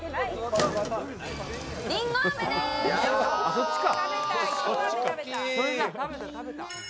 そっちか！